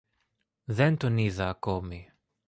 Δεν τον είδα ακόμη